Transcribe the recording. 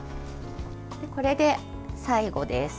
これで最後です。